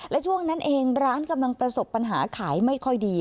และช่วงนั้นเองร้านกำลังประสบปัญหาขายไม่ค่อยดี